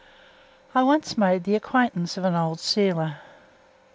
I once made the acquaintance of an old sealer.